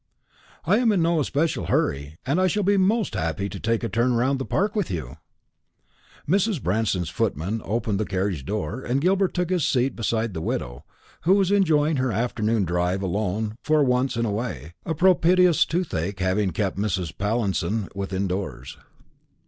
"I am in no especial hurry, and I shall be most happy to take a turn round the Park with you." Mrs. Branston's footman opened the carriage door, and Gilbert took his seat opposite the widow, who was enjoying her afternoon drive alone for once in a way; a propitious toothache having kept Mrs. Pallinson within doors.